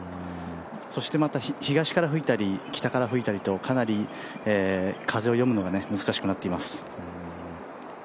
そしてまた東から吹いたり北から吹いたりと、かなり風を読むのが難しくなっています。